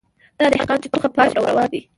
دا دهقان چي تخم پاشي او روان دی